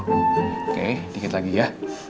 oke dikit lagi ya